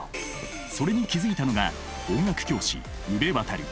それに気付いたのが音楽教師宇部渉。